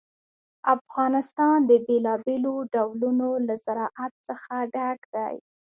افغانستان د بېلابېلو ډولونو له زراعت څخه ډک دی.